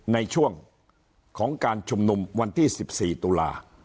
ในช่วงของการชุมนุมวันที่๑๔ตุลา